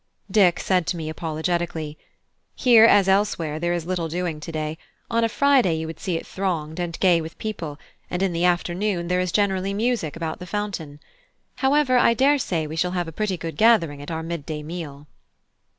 Dick said to me apologetically: "Here as elsewhere there is little doing to day; on a Friday you would see it thronged, and gay with people, and in the afternoon there is generally music about the fountain. However, I daresay we shall have a pretty good gathering at our mid day meal."